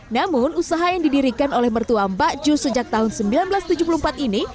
namun usaha yang didirikan oleh mertua mbak ju sejak tahun seribu sembilan ratus tujuh puluh empat ini